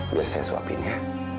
biar saya suapin ya